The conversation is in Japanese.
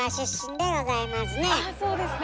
あっそうですね